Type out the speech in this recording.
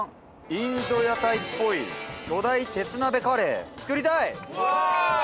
インド屋台っぽい巨大鉄鍋カレー作りたい！